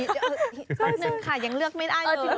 แป๊บนึงค่ะยังเลือกไม่ได้เลย